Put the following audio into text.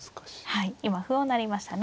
はい今歩を成りましたね。